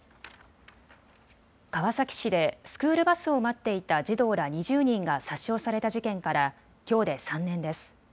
川崎市でスクールバスを待っていた児童ら２０人が殺傷された事件からきょうで３年です。